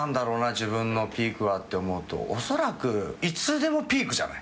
自分のピークはって思うとおそらくいつでもピークじゃない？